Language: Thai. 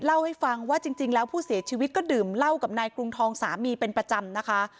เล่าให้ฟังว่าจริงแล้วผู้เสียชีวิตก็ดื่มเหล้ากับนายกรุงทองสามีเป็นประจำนะคะ